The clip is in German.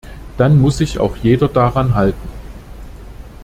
Dann muss sich auch jeder daran halten.